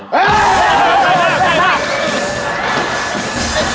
แม่หน้า